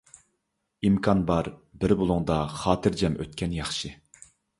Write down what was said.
ئىمكان بار، بىر بۇلۇڭدا خاتىرجەم ئۆتكەن ياخشى.